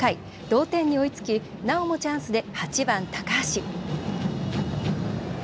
同点に追いつきなおもチャンスで８番・高橋。